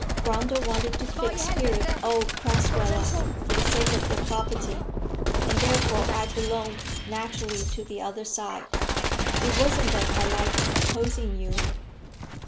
Grundle wanted to fix period old Crasweller for the sake of the property; and therefore I belonged naturally to the other side. It wasn't that I liked opposing you.